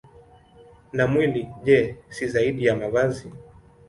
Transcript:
Na mwili, je, si zaidi ya mavazi?